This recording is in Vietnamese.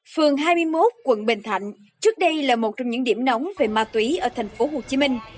phường hai mươi một quận bình thạnh trước đây là một trong những điểm nóng về ma túy ở thành phố hồ chí minh